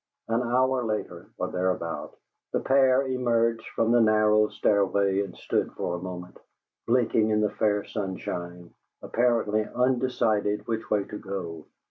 An hour later, or thereabout, the pair emerged from the narrow stairway and stood for a moment, blinking in the fair sunshine, apparently undecided which way to go.